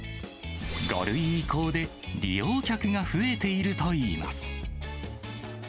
５類移行で利用客が増えているといいます。